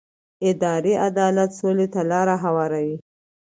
اداري عدالت سولې ته لاره هواروي